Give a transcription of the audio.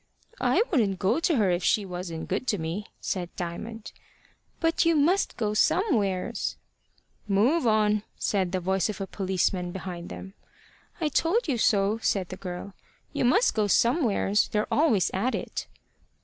"I wouldn't go to her if she wasn't good to me," said Diamond. "But you must go somewheres." "Move on," said the voice of a policeman behind them. "I told you so," said the girl. "You must go somewheres. They're always at it."